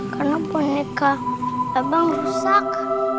karena poneka abang rusak